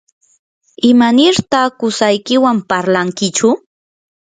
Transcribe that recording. ¿imanirtaq qusaykiwan parlankichu?